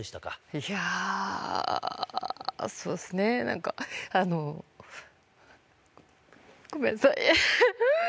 いやー、そうですね、なんか、ごめんなさい。